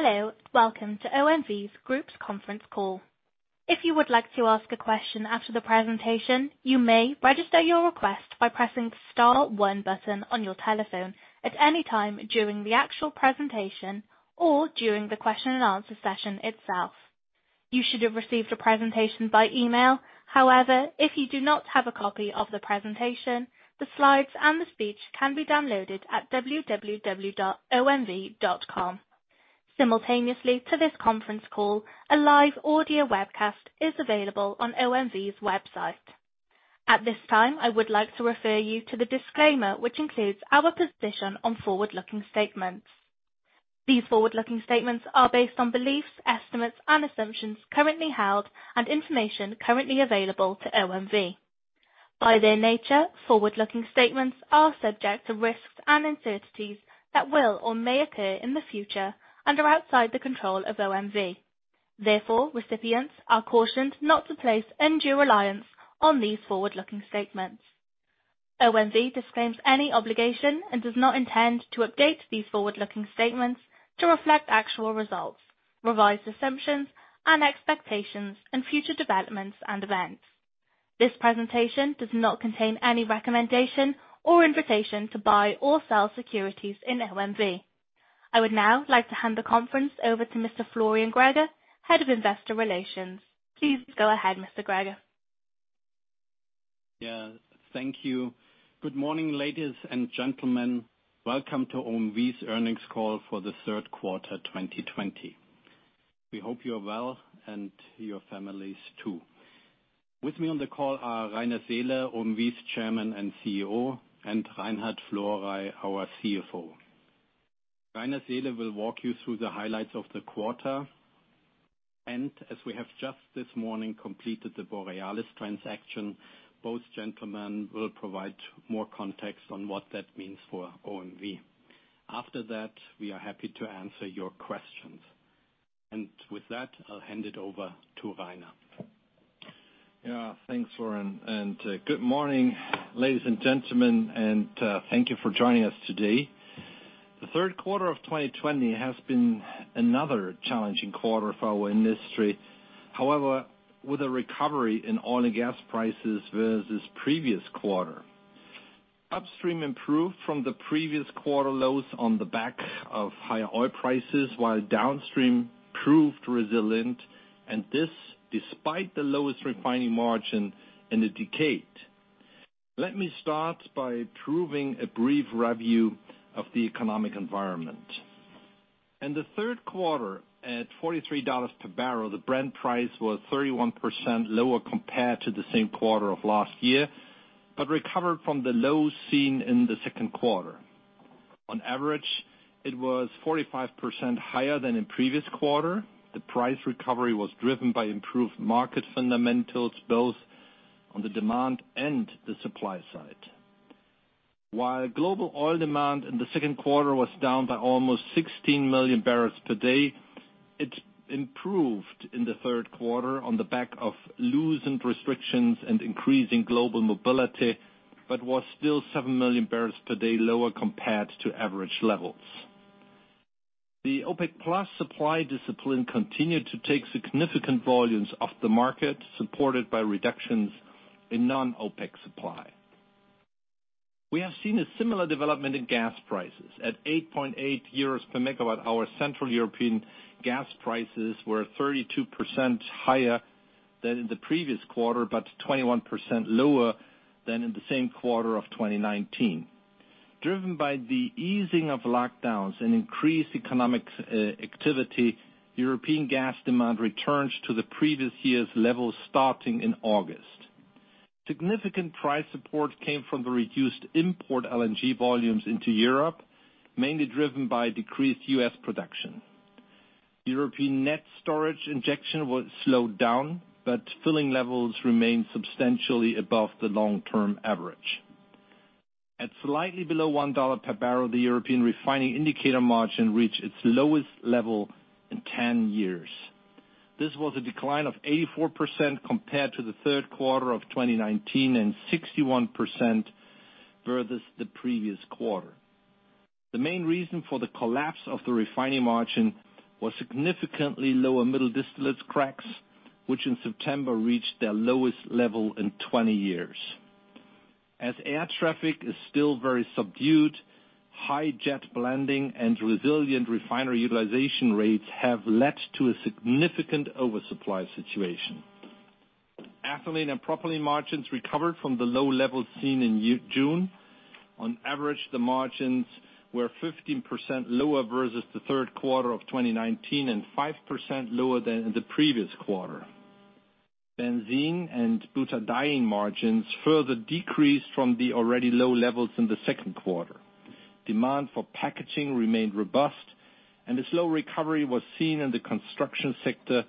Hello, welcome to OMV's Group's conference call. If you would like to ask a question after the presentation, you may register your request by pressing star one button on your telephone at any time during the actual presentation or during the question and answer session itself. You should have received a presentation by email. However, if you do not have a copy of the presentation, the slides and the speech can be downloaded at www.omv.com. Simultaneously to this conference call, a live audio webcast is available on OMV's website. At this time, I would like to refer you to the disclaimer, which includes our position on forward-looking statements. These forward-looking statements are based on beliefs, estimates, and assumptions currently held, and information currently available to OMV. By their nature, forward-looking statements are subject to risks and uncertainties that will or may occur in the future and are outside the control of OMV. Therefore, recipients are cautioned not to place undue reliance on these forward-looking statements. OMV disclaims any obligation and does not intend to update these forward-looking statements to reflect actual results, revised assumptions, and expectations in future developments and events. This presentation does not contain any recommendation or invitation to buy or sell securities in OMV. I would now like to hand the conference over to Mr. Florian Greger, Head of Investor Relations. Please go ahead, Mr. Greger. Yeah, thank you. Good morning, ladies and gentlemen. Welcome to OMV's earnings call for the third quarter 2020. We hope you are well and your families, too. With me on the call are Rainer Seele, OMV's Chairman and CEO, and Reinhard Florey, our CFO. Rainer Seele will walk you through the highlights of the quarter. As we have just this morning completed the Borealis transaction, both gentlemen will provide more context on what that means for OMV. After that, we are happy to answer your questions. With that, I'll hand it over to Rainer. Yeah. Thanks, Florian, good morning, ladies and gentlemen, thank you for joining us today. The third quarter of 2020 has been another challenging quarter for our industry. However, with a recovery in oil and gas prices versus previous quarter, Upstream improved from the previous quarter lows on the back of higher oil prices, while Downstream proved resilient, despite the lowest refining margin in a decade. Let me start by providing a brief review of the economic environment. In the third quarter, at $43 per barrel, the Brent price was 31% lower compared to the same quarter of last year, recovered from the lows seen in the second quarter. On average, it was 45% higher than in previous quarter. The price recovery was driven by improved market fundamentals, both on the demand and the supply side. While global oil demand in the second quarter was down by almost 16 million barrels per day, it improved in the third quarter on the back of loosened restrictions and increase in global mobility, but was still 7 million barrels per day lower compared to average levels. The OPEC Plus supply discipline continued to take significant volumes off the market, supported by reductions in non-OPEC supply. We have seen a similar development in gas prices. At 8.8 euros per megawatt hour, Central European gas prices were 32% higher than in the previous quarter, but 21% lower than in the same quarter of 2019. Driven by the easing of lockdowns and increased economic activity, European gas demand returns to the previous year's levels starting in August. Significant price support came from the reduced import LNG volumes into Europe, mainly driven by decreased U.S. production. European net storage injection was slowed down, but filling levels remained substantially above the long-term average. At slightly below $1 per barrel, the European refining indicator margin reached its lowest level in 10 years. This was a decline of 84% compared to the third quarter of 2019, and 61% versus the previous quarter. The main reason for the collapse of the refining margin was significantly lower middle distillate cracks, which in September reached their lowest level in 20 years. As air traffic is still very subdued, high jet blending and resilient refinery utilization rates have led to a significant oversupply situation. Ethylene and propylene margins recovered from the low levels seen in June. On average, the margins were 15% lower versus the third quarter of 2019, and 5% lower than in the previous quarter. Benzene and butadiene margins further decreased from the already low levels in the second quarter. Demand for packaging remained robust, and a slow recovery was seen in the construction sector,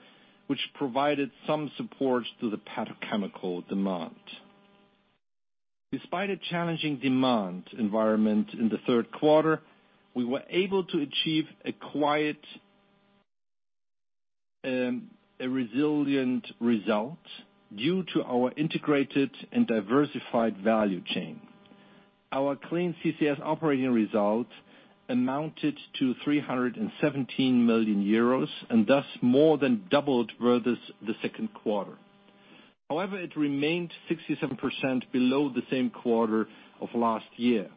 which provided some support to the petrochemical demand. Despite a challenging demand environment in the third quarter, we were able to achieve a resilient result due to our integrated and diversified value chain. Our Clean CCS operating result amounted to 317 million euros, and thus more than doubled versus the second quarter. However, it remained 67% below the same quarter of last year.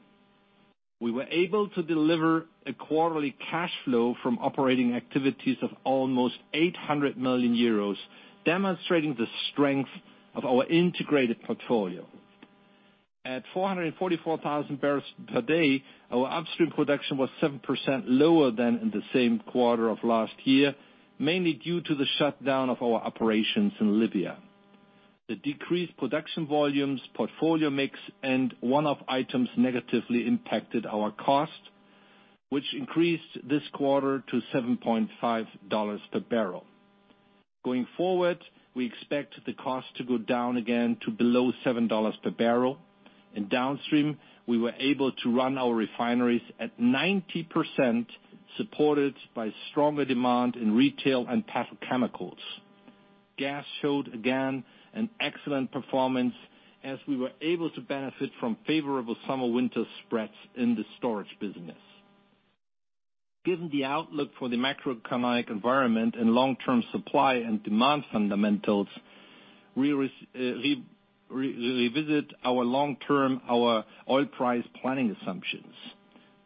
We were able to deliver a quarterly cash flow from operating activities of almost 800 million euros, demonstrating the strength of our integrated portfolio. At 444,000 barrels per day, our upstream production was 7% lower than in the same quarter of last year, mainly due to the shutdown of our operations in Libya. The decreased production volumes, portfolio mix, and one-off items negatively impacted our cost, which increased this quarter to EUR 7.50 per barrel. Going forward, we expect the cost to go down again to below EUR 7.00 per barrel. In downstream, we were able to run our refineries at 90%, supported by stronger demand in retail and petrochemicals. Gas showed again an excellent performance, as we were able to benefit from favorable summer-winter spreads in the storage business. Given the outlook for the macroeconomic environment and long-term supply and demand fundamentals, we revisit our long-term, our oil price planning assumptions.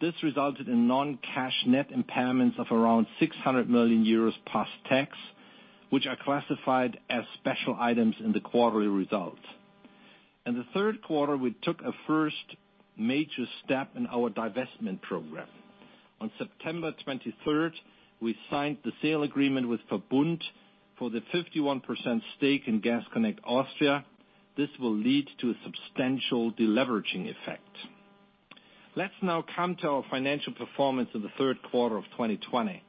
This resulted in non-cash net impairments of around 600 million euros post-tax, which are classified as special items in the quarterly results. In the third quarter, we took a first major step in our divestment program. On September 23rd, we signed the sale agreement with VERBUND for the 51% stake in Gas Connect Austria. This will lead to a substantial deleveraging effect. Let's now come to our financial performance in the third quarter of 2020.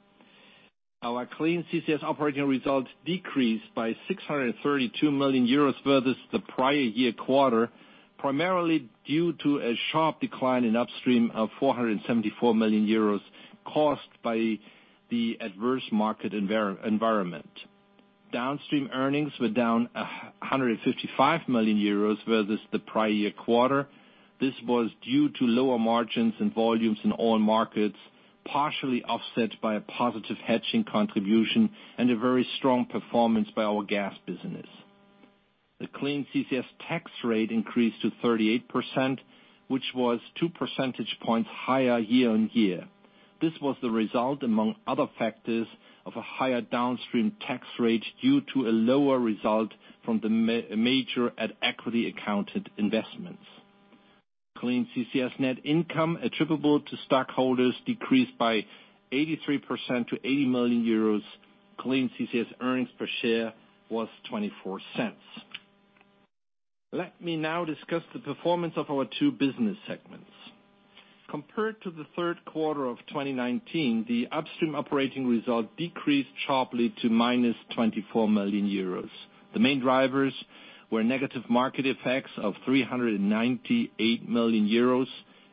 Our Clean CCS Operating Result decreased by 632 million euros versus the prior year quarter, primarily due to a sharp decline in Upstream of 474 million euros caused by the adverse market environment. Downstream earnings were down 155 million euros versus the prior year quarter. This was due to lower margins and volumes in all markets, partially offset by a positive hedging contribution and a very strong performance by our gas business. The Clean CCS tax rate increased to 38%, which was two percentage points higher year-on-year. This was the result, among other factors, of a higher Downstream tax rate due to a lower result from the major at-equity accounted investments. Clean CCS net income attributable to stockholders decreased by 83% to 80 million euros. Clean CCS earnings per share was 0.24. Let me now discuss the performance of our two business segments. Compared to the third quarter of 2019, the upstream operating result decreased sharply to minus 24 million euros. The main drivers were negative market effects of 398 million euros,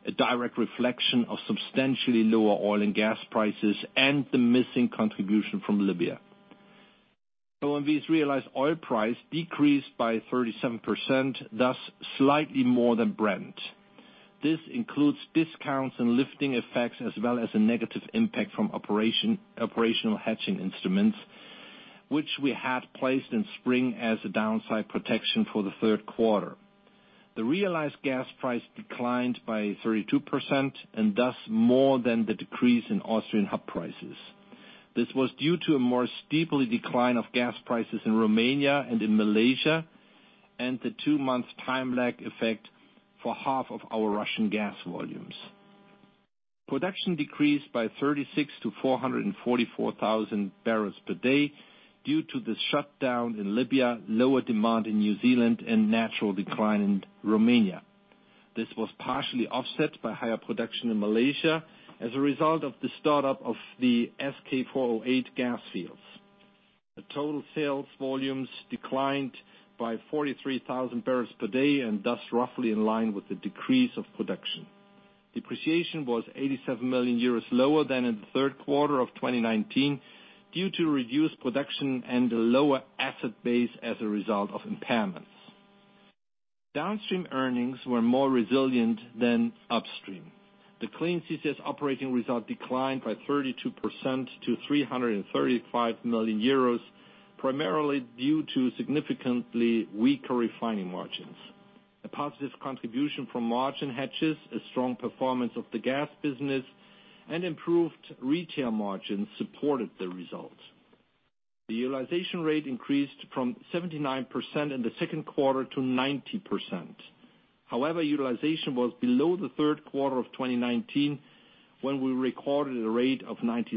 a direct reflection of substantially lower oil and gas prices, and the missing contribution from Libya. OMV's realized oil price decreased by 37%, thus slightly more than Brent. This includes discounts and lifting effects, as well as a negative impact from operational hedging instruments, which we had placed in spring as a downside protection for the third quarter. The realized gas price declined by 32% and thus more than the decrease in Austrian hub prices. This was due to a more steeply decline of gas prices in Romania and in Malaysia, and the two-month time lag effect for half of our Russian gas volumes. Production decreased by 36 to 444,000 barrels per day due to the shutdown in Libya, lower demand in New Zealand, and natural decline in Romania. This was partially offset by higher production in Malaysia as a result of the start-up of the SK408 gas fields. The total sales volumes declined by 43,000 barrels per day and thus roughly in line with the decrease of production. Depreciation was 87 million euros lower than in the third quarter of 2019 due to reduced production and a lower asset base as a result of impairments. Downstream earnings were more resilient than upstream. The Clean CCS operating result declined by 32% to 335 million euros, primarily due to significantly weaker refining margins. A positive contribution from margin hedges, a strong performance of the gas business, and improved retail margins supported the results. The utilization rate increased from 79% in the second quarter to 90%. However, utilization was below the third quarter of 2019, when we recorded a rate of 96%.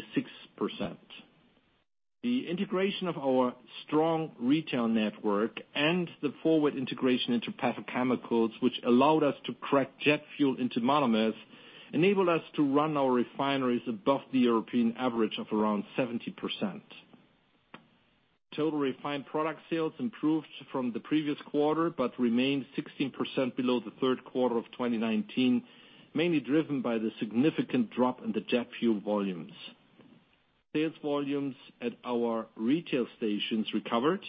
The integration of our strong retail network and the forward integration into petrochemicals—which allowed us to crack jet fuel into monomers—enabled us to run our refineries above the European average of around 70%. Total refined product sales improved from the previous quarter, but remained 16% below the third quarter of 2019, mainly driven by the significant drop in the jet fuel volumes. Sales volumes at our retail stations recovered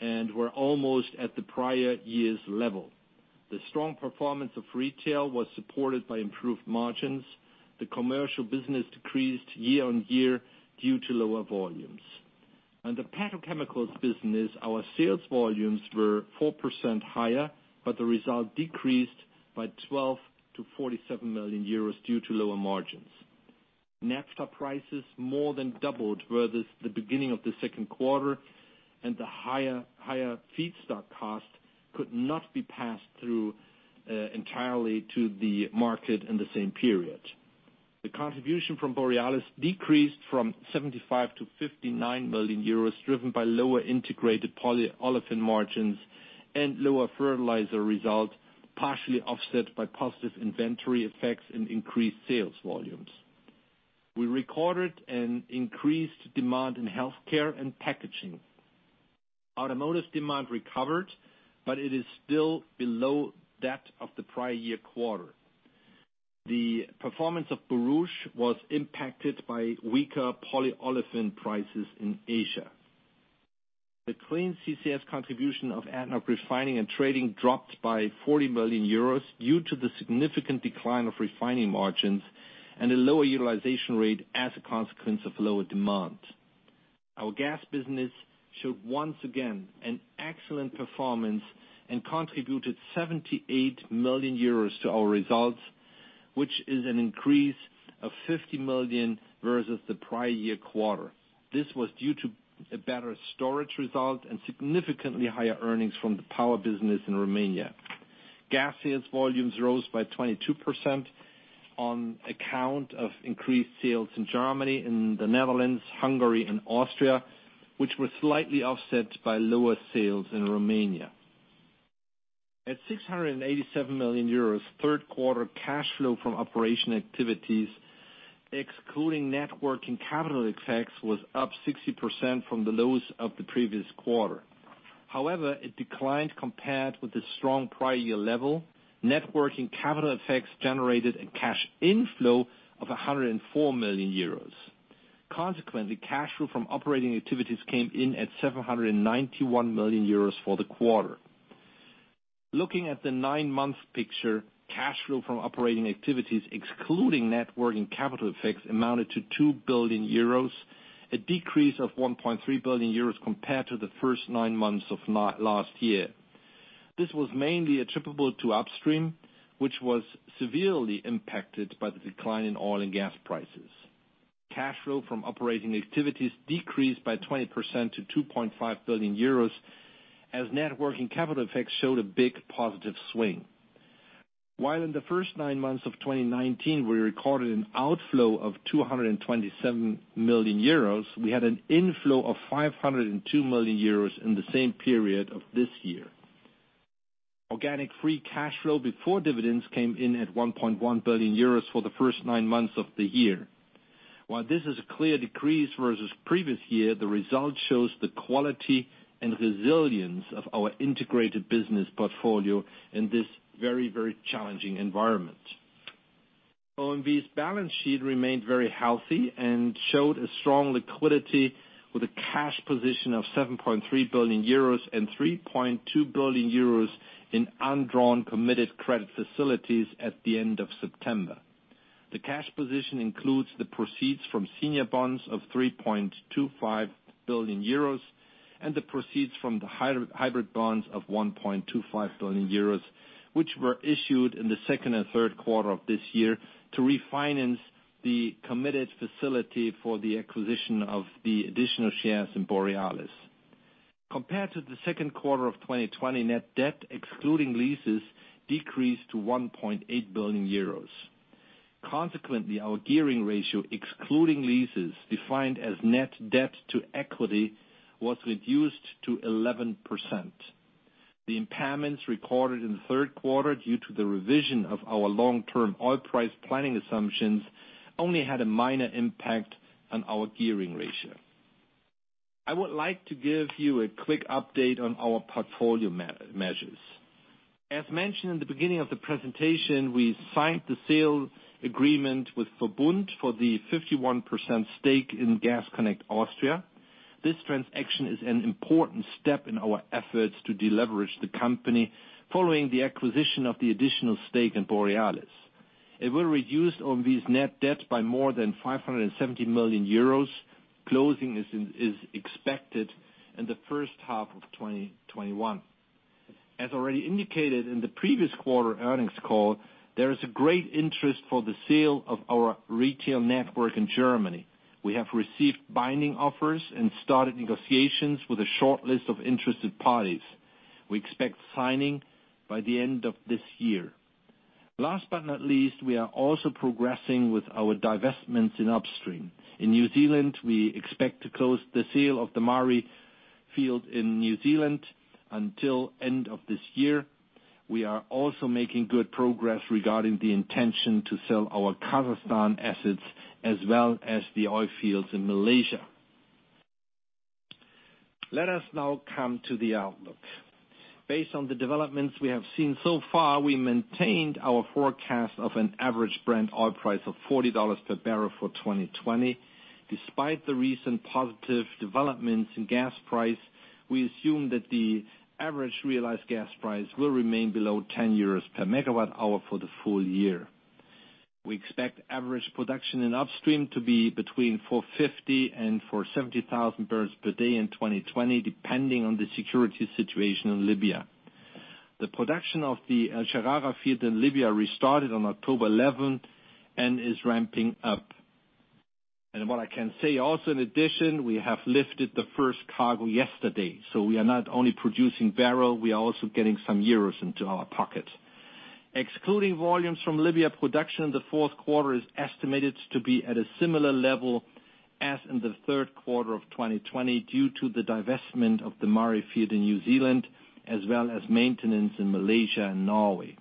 and were almost at the prior year's level. The strong performance of retail was supported by improved margins. The commercial business decreased year on year due to lower volumes. In the petrochemicals business, our sales volumes were 4% higher, but the result decreased by 12 million to 47 million euros due to lower margins. Naphtha prices more than doubled versus the beginning of the second quarter, and the higher feedstock cost could not be passed through entirely to the market in the same period. The contribution from Borealis decreased from 75 million to 59 million euros, driven by lower integrated polyolefin margins and lower fertilizer results, partially offset by positive inventory effects and increased sales volumes. We recorded an increased demand in healthcare and packaging. Automotive demand recovered, but it is still below that of the prior year quarter. The performance of Borouge was impacted by weaker polyolefin prices in Asia. The Clean CCS contribution of ADNOC Refining & Trading dropped by 40 million euros due to the significant decline of refining margins and a lower utilization rate as a consequence of lower demand. Our gas business showed once again an excellent performance and contributed 78 million euros to our results, which is an increase of 50 million versus the prior year quarter. This was due to a better storage result and significantly higher earnings from the power business in Romania. Gas sales volumes rose by 22% on account of increased sales in Germany, in the Netherlands, Hungary, and Austria, which were slightly offset by lower sales in Romania. At 687 million euros, third-quarter cash flow from operating activities, excluding net working capital effects, was up 60% from the lows of the previous quarter. It declined compared with the strong prior year level. Net working capital effects generated a cash inflow of 104 million euros. Cash flow from operating activities came in at 791 million euros for the quarter. Looking at the nine-month picture, cash flow from operating activities, excluding net working capital effects, amounted to 2 billion euros, a decrease of 1.3 billion euros compared to the first nine months of last year. This was mainly attributable to upstream, which was severely impacted by the decline in oil and gas prices. Cash flow from operating activities decreased by 20% to 2.5 billion euros, as net working capital effects showed a big positive swing. While in the first nine months of 2019, we recorded an outflow of 227 million euros, we had an inflow of 502 million euros in the same period of this year. Organic free cash flow before dividends came in at 1.1 billion euros for the first nine months of the year. While this is a clear decrease versus the previous year, the result shows the quality and resilience of our integrated business portfolio in this very challenging environment. OMV's balance sheet remained very healthy and showed a strong liquidity with a cash position of 7.3 billion euros and 3.2 billion euros in undrawn committed credit facilities at the end of September. Consequently, the cash position includes the proceeds from senior bonds of 3.25 billion euros and the proceeds from the hybrid bonds of 1.25 billion euros, which were issued in the second and third quarter of this year to refinance the committed facility for the acquisition of the additional shares in Borealis. Compared to the second quarter of 2020, net debt, excluding leases, decreased to 1.8 billion euros. Our gearing ratio, excluding leases, defined as net debt to equity, was reduced to 11%. The impairments recorded in the third quarter due to the revision of our long-term oil price planning assumptions only had a minor impact on our gearing ratio. I would like to give you a quick update on our portfolio measures. As mentioned in the beginning of the presentation, we signed the sales agreement with VERBUND for the 51% stake in Gas Connect Austria. This transaction is an important step in our efforts to deleverage the company following the acquisition of the additional stake in Borealis. It will reduce OMV's net debt by more than 570 million euros. Closing is expected in the first half of 2021. As already indicated in the previous quarter earnings call, there is a great interest for the sale of our retail network in Germany. We have received binding offers and started negotiations with a shortlist of interested parties. We expect signing by the end of this year. Last but not least, we are also progressing with our divestments in upstream. In New Zealand, we expect to close the sale of the Maari field in New Zealand until end of this year. We are also making good progress regarding the intention to sell our Kazakhstan assets as well as the oil fields in Malaysia. Let us now come to the outlook. Based on the developments we have seen so far, we maintained our forecast of an average Brent oil price of $40 per barrel for 2020. Despite the recent positive developments in gas price, we assume that the average realized gas price will remain below 10 euros per megawatt hour for the full year. We expect average production in upstream to be between 450,000 and 470,000 barrels per day in 2020, depending on the security situation in Libya. The production of the El Sharara field in Libya restarted on October 11th and is ramping up. What I can say also, in addition, we have lifted the first cargo yesterday. We are not only producing barrels, we are also getting some euros into our pocket. Excluding volumes from Libya, production in the fourth quarter is estimated to be at a similar level as in the third quarter of 2020 due to the divestment of the Maari field in New Zealand, as well as maintenance in Malaysia and Norway.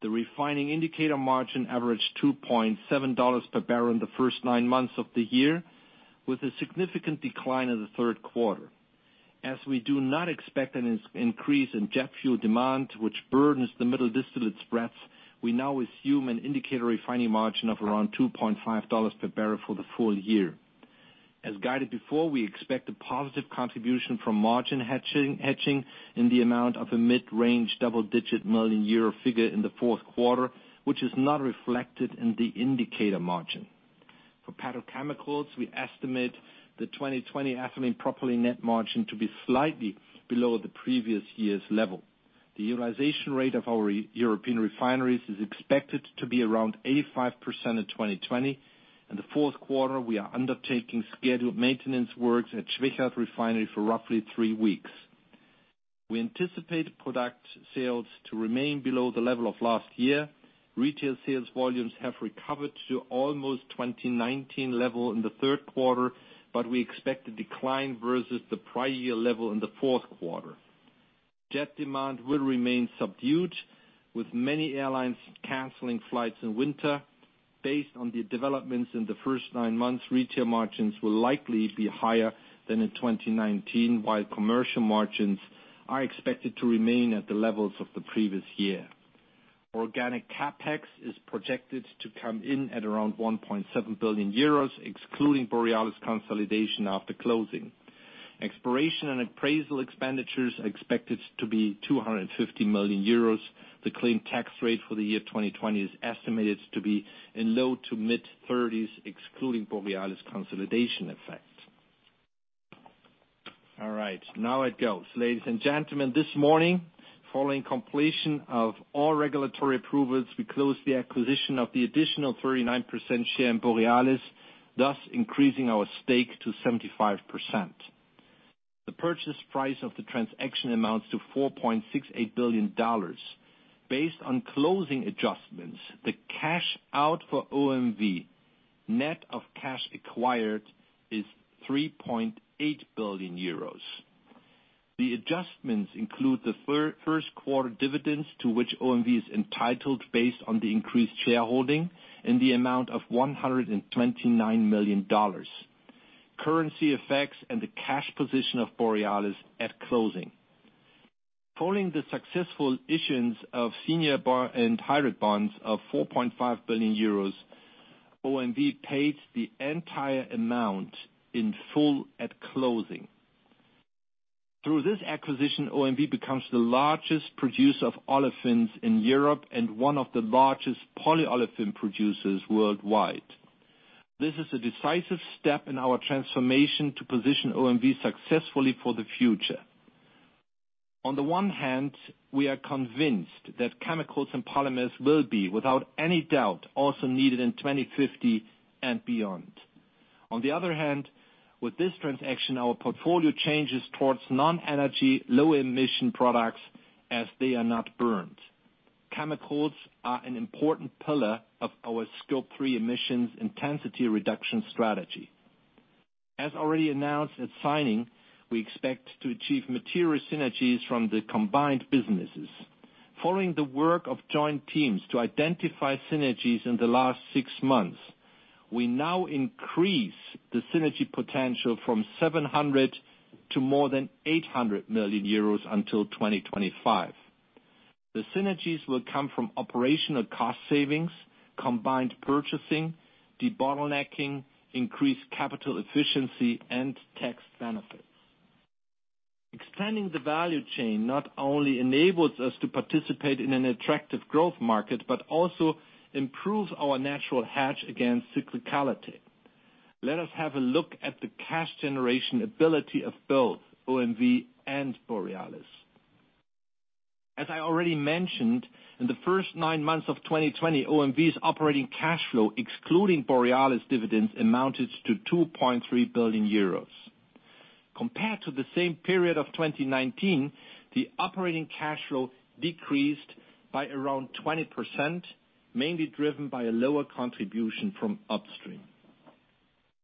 The refining indicator margin averaged $2.70 per barrel in the first nine months of the year, with a significant decline in the third quarter. We do not expect an increase in jet fuel demand, which burdens the middle distillates spreads. We now assume an indicator refining margin of around $2.50 per barrel for the full year. As guided before, we expect a positive contribution from margin hedging in the amount of a mid-range double-digit million EUR figure in the fourth quarter, which is not reflected in the indicator margin. For petrochemicals, we estimate the 2020 ethylene propylene net margin to be slightly below the previous year's level. The utilization rate of our European refineries is expected to be around 85% in 2020. In the fourth quarter, we are undertaking scheduled maintenance works at Schwechat Refinery for roughly three weeks. We anticipate product sales to remain below the level of last year. Retail sales volumes have recovered to almost 2019 level in the third quarter, but we expect a decline versus the prior year level in the fourth quarter. Jet demand will remain subdued, with many airlines canceling flights in winter. Based on the developments in the first nine months, retail margins will likely be higher than in 2019, while commercial margins are expected to remain at the levels of the previous year. Organic CapEx is projected to come in at around 1.7 billion euros, excluding Borealis consolidation after closing. Exploration and appraisal expenditures are expected to be 250 million euros. The Clean CCS tax rate for the year 2020 is estimated to be in low to mid-30s, excluding Borealis consolidation effect. All right, now it goes. Ladies and gentlemen, this morning, following completion of all regulatory approvals, we closed the acquisition of the additional 39% share in Borealis, thus increasing our stake to 75%. The purchase price of the transaction amounts to $4.68 billion. Based on closing adjustments, the cash out for OMV, net of cash acquired is 3.8 billion euros. The adjustments include the first quarter dividends to which OMV is entitled based on the increased shareholding in the amount of EUR 129 million, currency effects, and the cash position of Borealis at closing. Following the successful issuance of senior bond and hybrid bonds of 4.5 billion euros, OMV paid the entire amount in full at closing. Through this acquisition, OMV becomes the largest producer of olefins in Europe and one of the largest polyolefin producers worldwide. This is a decisive step in our transformation to position OMV successfully for the future. On the one hand, we are convinced that chemicals and polymers will be, without any doubt, also needed in 2050 and beyond. On the other hand, with this transaction, our portfolio changes towards non-energy, low-emission products as they are not burned. Chemicals are an important pillar of our Scope 3 emissions intensity reduction strategy. As already announced at signing, we expect to achieve material synergies from the combined businesses. Following the work of joint teams to identify synergies in the last six months, we now increase the synergy potential from 700 to more than 800 million euros until 2025. The synergies will come from operational cost savings, combined purchasing, debottlenecking, increased capital efficiency, and tax benefits. Expanding the value chain not only enables us to participate in an attractive growth market, but also improves our natural hedge against cyclicality. Let us have a look at the cash generation ability of both OMV and Borealis. As I already mentioned, in the first nine months of 2020, OMV's operating cash flow, excluding Borealis dividends, amounted to 2.3 billion euros. Compared to the same period of 2019, the operating cash flow decreased by around 20%, mainly driven by a lower contribution from upstream.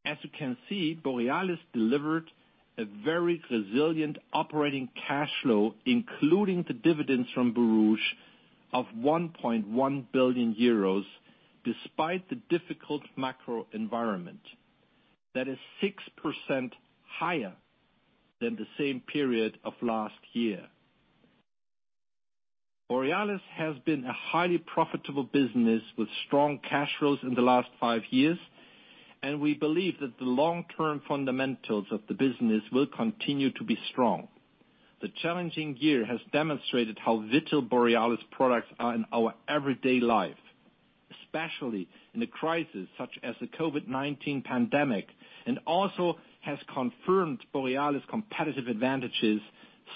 As you can see, Borealis delivered a very resilient operating cash flow, including the dividends from Borouge of 1.1 billion euros, despite the difficult macro environment. That is 6% higher than the same period of last year. Borealis has been a highly profitable business with strong cash flows in the last five years, and we believe that the long-term fundamentals of the business will continue to be strong. The challenging year has demonstrated how vital Borealis products are in our everyday life, especially in a crisis such as the COVID-19 pandemic, and also has confirmed Borealis' competitive advantages,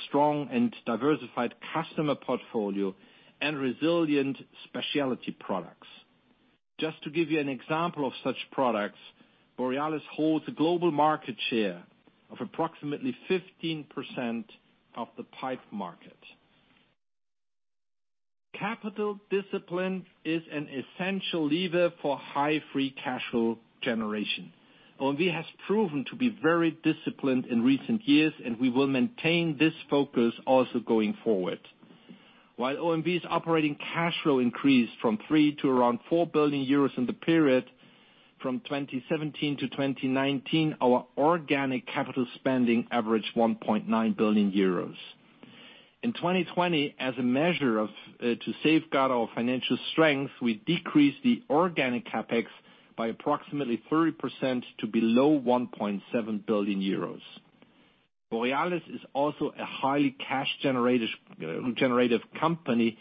strong and diversified customer portfolio, and resilient specialty products. Just to give you an example of such products, Borealis holds a global market share of approximately 15% of the pipe market. Capital discipline is an essential lever for high free cash flow generation. OMV has proven to be very disciplined in recent years, and we will maintain this focus also going forward. While OMV's operating cash flow increased from 3 billion to around 4 billion euros in the period from 2017 to 2019, our organic capital spending averaged 1.9 billion euros. In 2020, as a measure to safeguard our financial strength, we decreased the organic CapEx by approximately 30% to below 1.7 billion euros. Borealis is also a highly cash-generative company,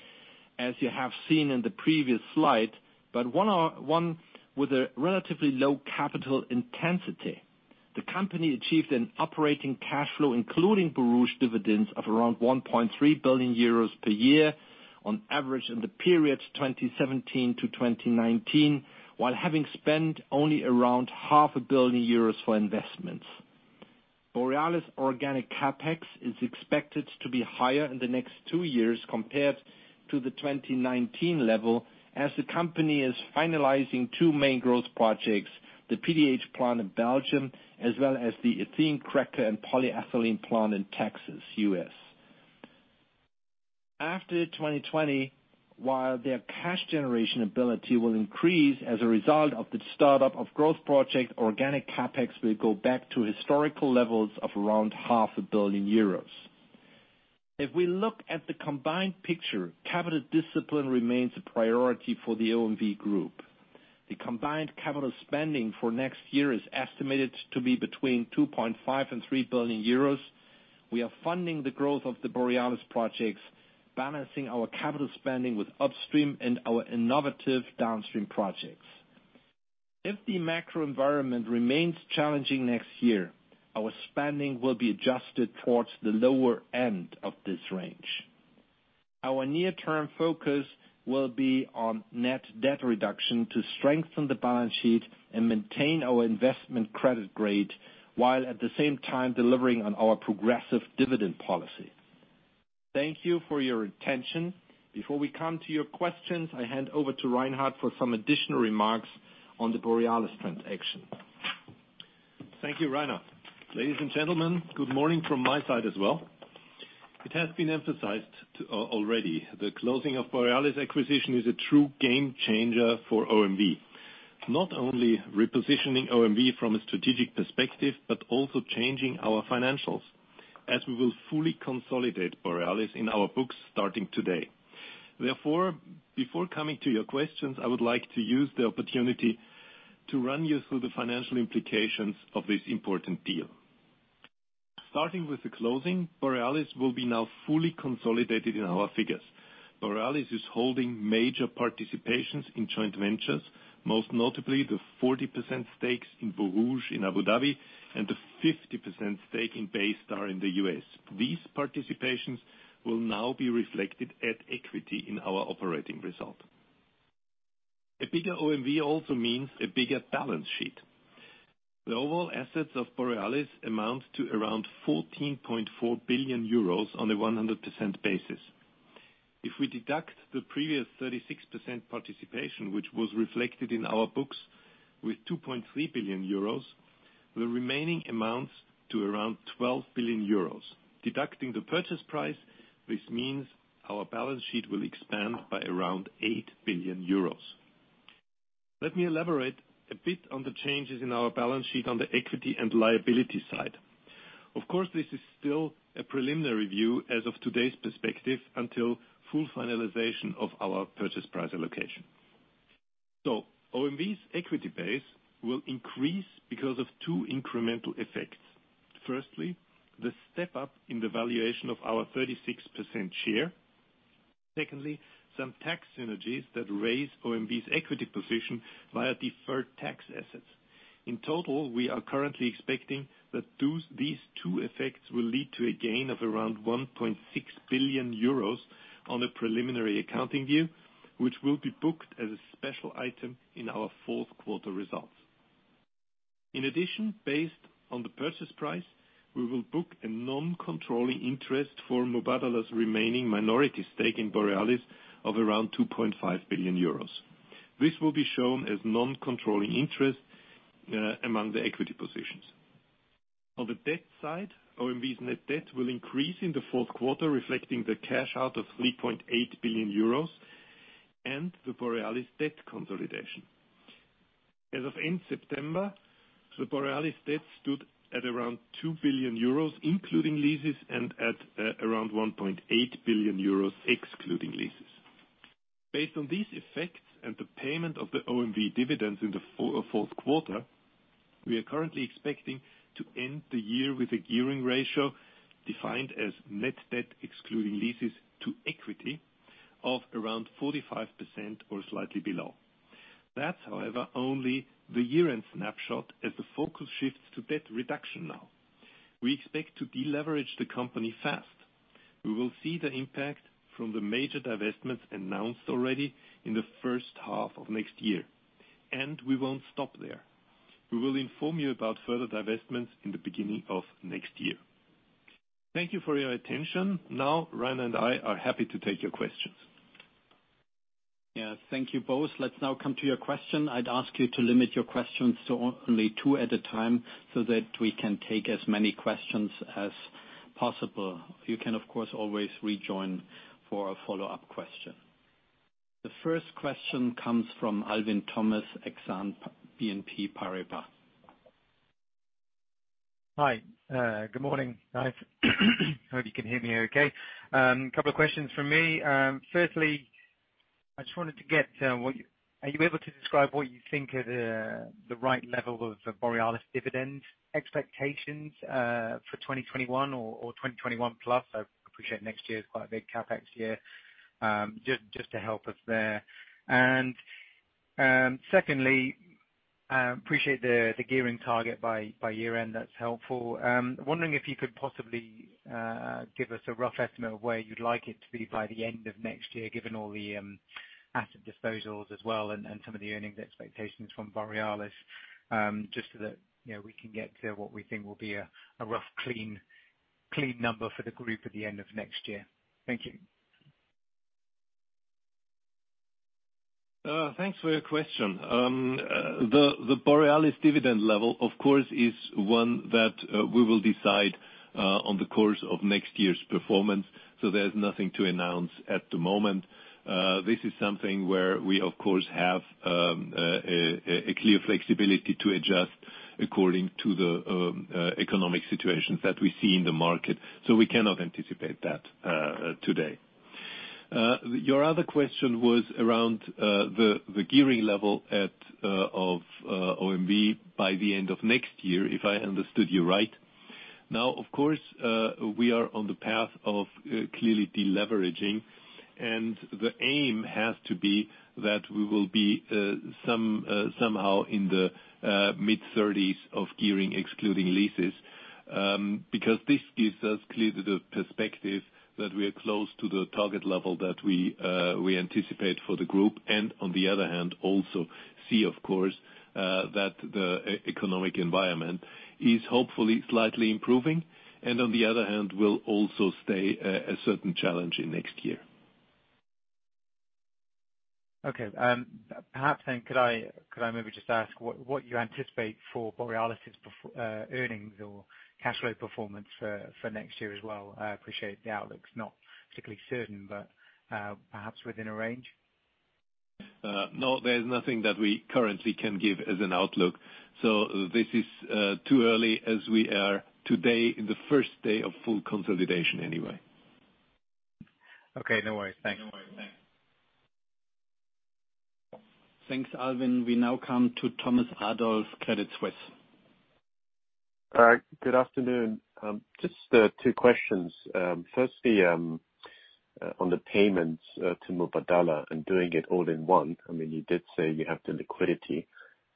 as you have seen in the previous slide, but one with a relatively low capital intensity. The company achieved an operating cash flow, including Borouge dividends of around 1.3 billion euros per year on average in the period 2017 to 2019, while having spent only around half a billion EUR for investments. Borealis organic CapEx is expected to be higher in the next two years compared to the 2019 level, as the company is finalizing two main growth projects, the PDH plant in Belgium, as well as the ethane cracker and polyethylene plant in Texas, U.S. After 2020, while their cash generation ability will increase as a result of the startup of growth projects, organic CapEx will go back to historical levels of around half a billion EUR. If we look at the combined picture, capital discipline remains a priority for the OMV group. The combined capital spending for next year is estimated to be between 2.5 billion and 3 billion euros. We are funding the growth of the Borealis projects, balancing our capital spending with upstream and our innovative downstream projects. If the macro environment remains challenging next year, our spending will be adjusted towards the lower end of this range. Our near-term focus will be on net debt reduction to strengthen the balance sheet and maintain our investment credit grade while at the same time delivering on our progressive dividend policy. Thank you for your attention. Before we come to your questions, I hand over to Reinhard for some additional remarks on the Borealis transaction. Thank you, Rainer. Ladies and gentlemen, good morning from my side as well. It has been emphasized already, the closing of Borealis acquisition is a true game changer for OMV. Not only repositioning OMV from a strategic perspective, also changing our financials as we will fully consolidate Borealis in our books starting today. Therefore, before coming to your questions, I would like to use the opportunity to run you through the financial implications of this important deal. Starting with the closing, Borealis will be now fully consolidated in our figures. Borealis is holding major participations in joint ventures, most notably the 40% stakes in Borouge in Abu Dhabi and the 50% stake in Baystar in the U.S. These participations will now be reflected at equity in our operating result. A bigger OMV also means a bigger balance sheet. The overall assets of Borealis amount to around 14.4 billion euros on a 100% basis. If we deduct the previous 36% participation, which was reflected in our books with 2.3 billion euros, the remaining amounts to around 12 billion euros. Deducting the purchase price, this means our balance sheet will expand by around 8 billion euros. Let me elaborate a bit on the changes in our balance sheet on the equity and liability side. Of course, this is still a preliminary view as of today's perspective until full finalization of our purchase price allocation. OMV's equity base will increase because of two incremental effects. Firstly, the step-up in the valuation of our 36% share. Secondly, some tax synergies that raise OMV's equity position via deferred tax assets. In total, we are currently expecting that these two effects will lead to a gain of around 1.6 billion euros on a preliminary accounting view, which will be booked as a special item in our fourth quarter results. In addition, based on the purchase price, we will book a non-controlling interest for Mubadala's remaining minority stake in Borealis of around 2.5 billion euros. This will be shown as non-controlling interest among the equity positions. On the debt side, OMV's net debt will increase in the fourth quarter, reflecting the cash out of 3.8 billion euros and the Borealis debt consolidation. As of end September, Borealis' debt stood at around 2 billion euros, including leases, and at around 1.8 billion euros excluding leases. Based on these effects and the payment of the OMV dividends in the fourth quarter, we are currently expecting to end the year with a gearing ratio defined as net debt, excluding leases to equity of around 45% or slightly below. That's however, only the year-end snapshot as the focus shifts to debt reduction now. We expect to deleverage the company fast. We will see the impact from the major divestments announced already in the first half of next year. We won't stop there. We will inform you about further divestments in the beginning of next year. Thank you for your attention. Now, Rainer and I are happy to take your questions. Yeah. Thank you both. Let's now come to your question. I'd ask you to limit your questions to only two at a time so that we can take as many questions as possible. You can, of course, always rejoin for a follow-up question. The first question comes from Alvin Thomas, Exane BNP Paribas. Hi. Good morning. I hope you can hear me okay. Couple of questions from me. Firstly, I just wanted to get, are you able to describe what you think are the right level of Borealis dividend expectations for 2021 or 2021+? I appreciate next year is quite a big CapEx year. Just to help us there. Secondly, appreciate the gearing target by year-end. That's helpful. I'm wondering if you could possibly give us a rough estimate of where you'd like it to be by the end of next year, given all the asset disposals as well and some of the earnings expectations from Borealis, just so that we can get to what we think will be a rough, clean number for the group at the end of next year. Thank you. Thanks for your question. The Borealis dividend level, of course, is one that we will decide on the course of next year's performance, so there's nothing to announce at the moment. This is something where we, of course, have a clear flexibility to adjust according to the economic situations that we see in the market. We cannot anticipate that today. Your other question was around the gearing level of OMV by the end of next year, if I understood you right. Now, of course, we are on the path of clearly deleveraging, and the aim has to be that we will be somehow in the mid-thirties of gearing excluding leases, because this gives us clearly the perspective that we are close to the target level that we anticipate for the group. On the other hand, also see, of course, that the economic environment is hopefully slightly improving, and on the other hand, will also stay a certain challenge in next year. Okay. Perhaps, could I maybe just ask what you anticipate for Borealis' earnings or cash flow performance for next year as well? I appreciate the outlook's not particularly certain, but perhaps within a range. No, there's nothing that we currently can give as an outlook. This is too early as we are today in the first day of full consolidation anyway. Okay, no worries. Thanks. Thanks, Alvin. We now come to Thomas Adolff, Credit Suisse. All right. Good afternoon. Just two questions. Firstly, on the payments to Mubadala and doing it all in one, you did say you have the liquidity,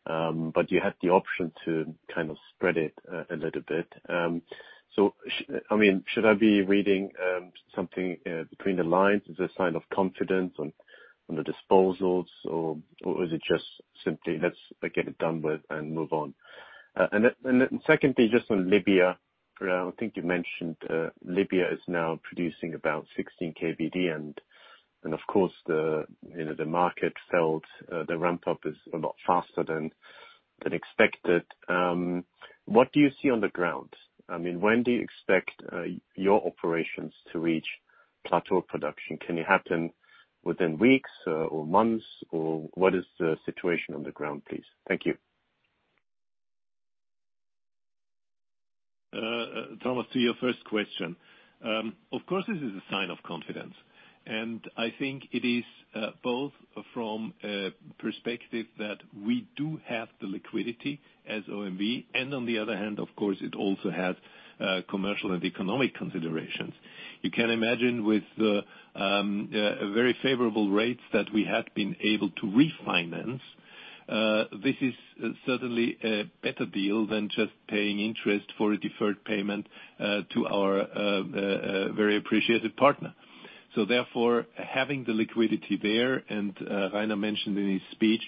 but you had the option to kind of spread it a little bit. Should I be reading something between the lines as a sign of confidence on the disposals, or is it just simply let's get it done with and move on? Secondly, just on Libya. I think you mentioned Libya is now producing about 16 KBD and of course the market felt the ramp-up is a lot faster than expected. What do you see on the ground? When do you expect your operations to reach plateau production? Can it happen within weeks or months? What is the situation on the ground, please? Thank you. Thomas, to your first question. Of course, this is a sign of confidence. I think it is both from a perspective that we do have the liquidity as OMV, and on the other hand, of course, it also has commercial and economic considerations. You can imagine with very favorable rates that we had been able to refinance. This is certainly a better deal than just paying interest for a deferred payment to our very appreciated partner. Therefore, having the liquidity there, Rainer mentioned in his speech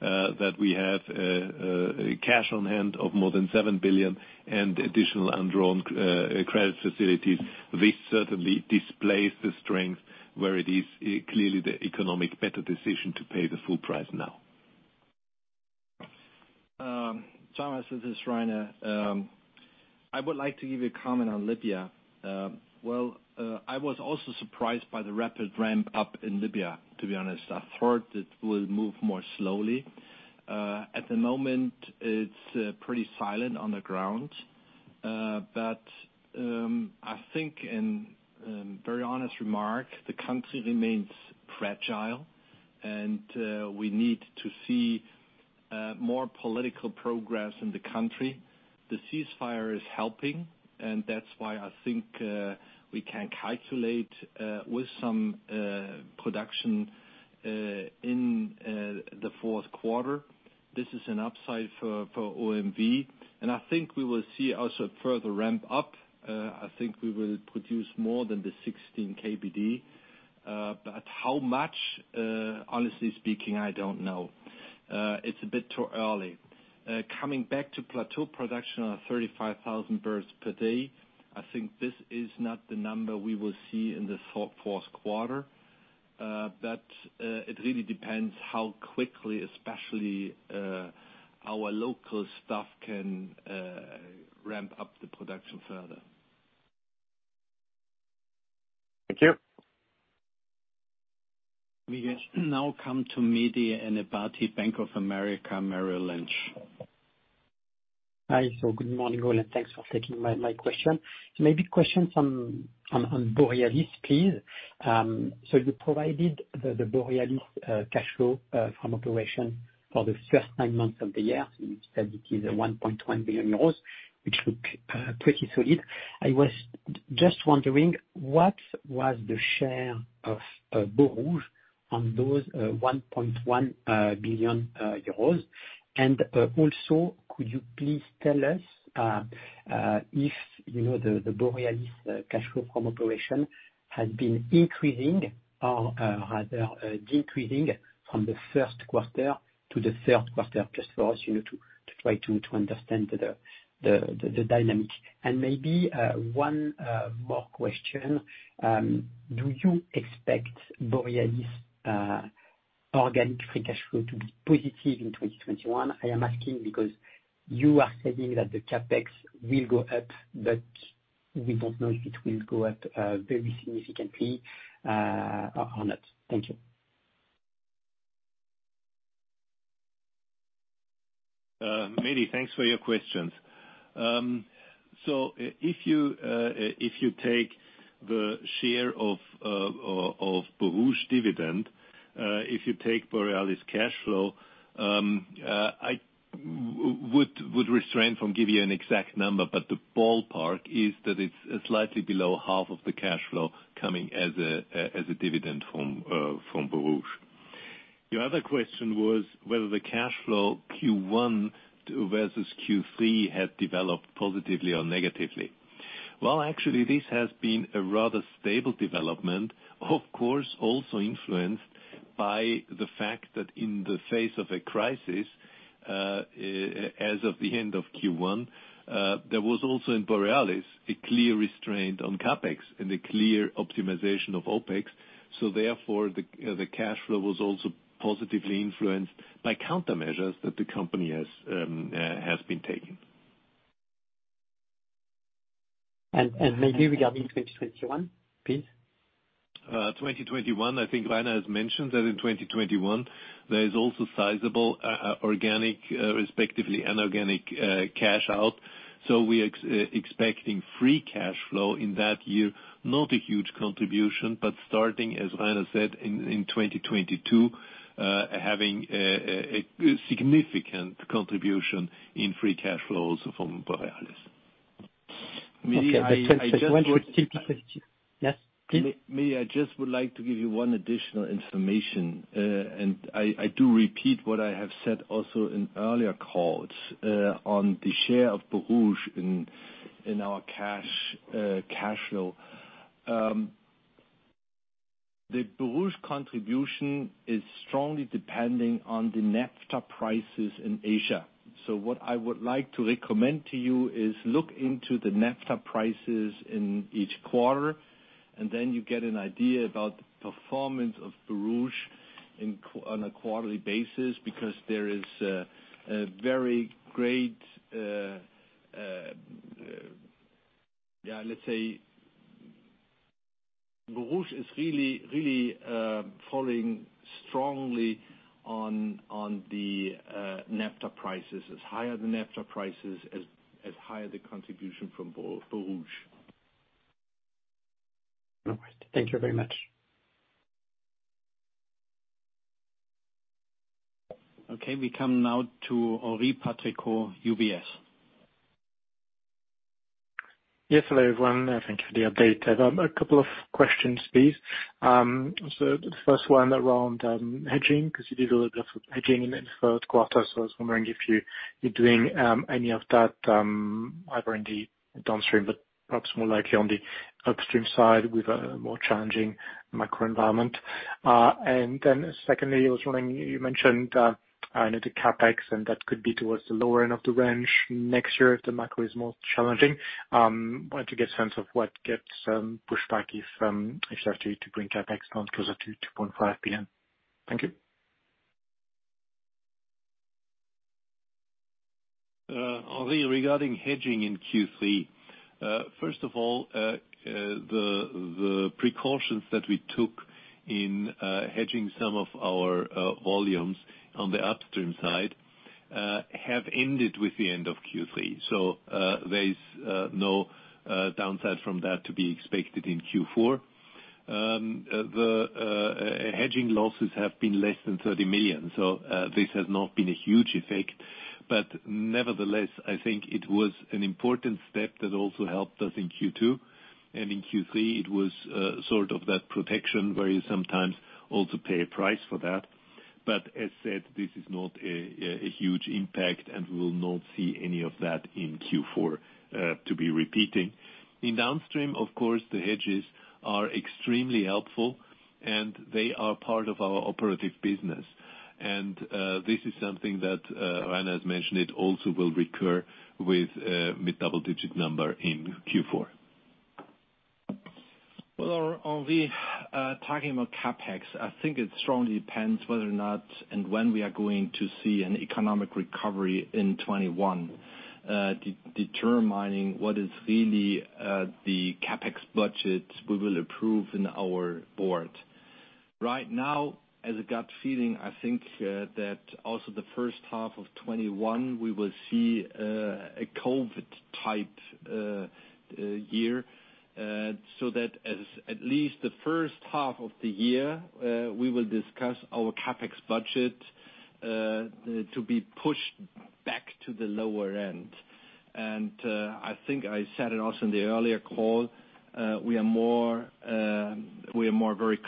that we have cash on-hand of more than 7 billion and additional undrawn credit facilities. This certainly displays the strength where it is clearly the economic better decision to pay the full price now. Thomas, this is Rainer. I would like to give you a comment on Libya. Well, I was also surprised by the rapid ramp up in Libya, to be honest. I thought it would move more slowly. At the moment, it's pretty silent on the ground. I think, in very honest remark, the country remains fragile, and we need to see more political progress in the country. The ceasefire is helping, and that's why I think we can calculate with some production in the fourth quarter. This is an upside for OMV, and I think we will see also further ramp up. I think we will produce more than the 16 KBD. How much, honestly speaking, I don't know. It's a bit too early. Coming back to plateau production of 35,000 barrels per day, I think this is not the number we will see in the fourth quarter. It really depends how quickly, especially our local staff can ramp up the production further. Thank you. We now come to Mehdi Inamdar, Bank of America Merrill Lynch. Hi. Good morning all, and thanks for taking my question. Maybe questions on Borealis, please. You provided the Borealis cash flow from operation for the first nine months of the year. You said it is 1.1 billion euros, which look pretty solid. I was just wondering, what was the share of Borouge on those 1.1 billion euros? Also, could you please tell us if the Borealis cash flow from operation has been increasing or, rather, decreasing from the first quarter to the third quarter, just for us to try to understand the dynamic. Maybe one more question. Do you expect Borealis organic free cash flow to be positive in 2021? I am asking because you are saying that the CapEx will go up, but we don't know if it will go up very significantly on it. Thank you. Mehdi, thanks for your questions. If you take the share of Borouge dividend, if you take Borealis cash flow, I would restrain from giving you an exact number, but the ballpark is that it's slightly below half of the cash flow coming as a dividend from Borouge. Your other question was whether the cash flow Q1 versus Q3 had developed positively or negatively. Well, actually, this has been a rather stable development, of course, also influenced by the fact that in the face of a crisis, as of the end of Q1, there was also in Borealis a clear restraint on CapEx and a clear optimization of OpEx. Therefore, the cash flow was also positively influenced by countermeasures that the company has been taking. Maybe regarding 2021, please. I think Rainer has mentioned that in 2021, there is also sizable organic, respectively inorganic cash out. We are expecting free cash flow in that year, not a huge contribution, but starting, as Rainer said, in 2022, having a significant contribution in free cash flows from Borealis. Okay. Yes, please. Mehdi, I just would like to give you one additional information. I do repeat what I have said also in earlier calls on the share of Borouge in our cash flow. The Borouge contribution is strongly depending on the naphtha prices in Asia. What I would like to recommend to you is look into the naphtha prices in each quarter, then you get an idea about the performance of Borouge on a quarterly basis, because Borouge is really falling strongly on the naphtha prices. As higher the naphtha prices, as higher the contribution from Borouge. No worries. Thank you very much. Okay, we come now to Henri Patricot, UBS. Yes, hello everyone. Thank you for the update. I have a couple of questions, please. The first one around hedging, because you did a little bit of hedging in the third quarter. I was wondering if you're doing any of that either in the downstream, but perhaps more likely on the upstream side with a more challenging macro environment. Secondly, I was wondering, you mentioned the CapEx, and that could be towards the lower end of the range next year if the macro is more challenging. Wanted to get a sense of what gets pushed back if you have to bring CapEx down closer to 2.5 billion. Thank you Henri, regarding hedging in Q3. First of all, the precautions that we took in hedging some of our volumes on the upstream side have ended with the end of Q3. There is no downside from that to be expected in Q4. The hedging losses have been less than 30 million. This has not been a huge effect. Nevertheless, I think it was an important step that also helped us in Q2. In Q3 it was sort of that protection where you sometimes also pay a price for that. As said, this is not a huge impact, and we will not see any of that in Q4 to be repeating. In downstream, of course, the hedges are extremely helpful, and they are part of our operative business. This is something that Rainer has mentioned, it also will recur with mid-double-digit number in Q4. Well, Henri, talking about CapEx, I think it strongly depends whether or not and when we are going to see an economic recovery in 2021, determining what is really the CapEx budget we will approve in our Board. As a gut feeling, I think that also the first half of 2021, we will see a COVID-19 type year, as at least the first half of the year, we will discuss our CapEx budget to be pushed back to the lower end. I think I said it also in the earlier call, we are more very